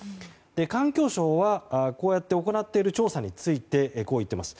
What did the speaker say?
環境省はこうやって行っている調査についてこう言っています。